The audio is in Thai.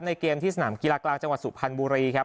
เกมที่สนามกีฬากลางจังหวัดสุพรรณบุรีครับ